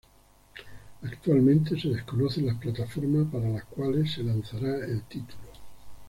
Actualmente se desconocen las plataformas para las cuales se lanzará el título.